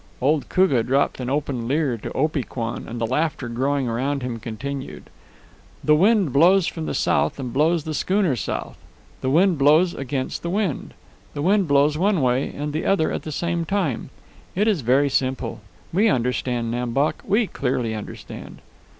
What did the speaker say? Old Koogah dropped an open leer to Opee Kwan, and, the laughter growing around him, continued: "The wind blows from the south and blows the schooner south. The wind blows against the wind. The wind blows one way and the other at the same time. It is very simple. We understand, Nam Bok. We clearly understand."